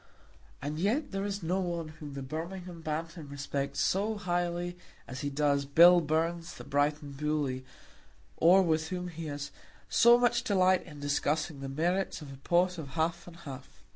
And yet there is no one whom the Birmingham Bantam respects so highly as he does Bill Burns the Brighton Bully, or with whom he has so much delight in discussing the merits of a pot of half and half.